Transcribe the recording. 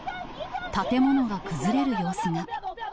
建物が崩れる様子が。